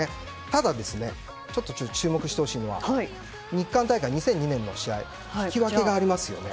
ただちょっと注目してほしいのは日韓大会、２００２年の試合引き分けがありますよね。